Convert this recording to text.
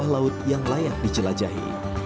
ini adalah pulau yang layak dijelajahi